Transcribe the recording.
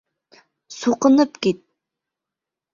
Суҡынып кит!